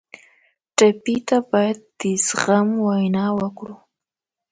ټپي ته باید د زغم وینا وکړو.